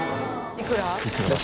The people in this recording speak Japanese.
いくらだ？